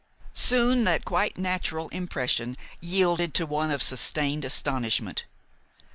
Soon that quite natural impression yielded to one of sustained astonishment.